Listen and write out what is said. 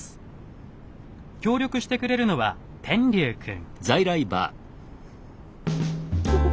協力してくれるのは天龍くん。